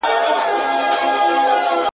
د نوښت غوره نمونه ده